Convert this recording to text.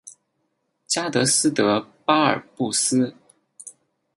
加的斯的巴尔布斯。